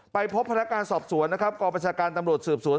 ไปพบพนักการณ์สอบสวนนะครับกรปัจจักรการตำรวจสืบสวน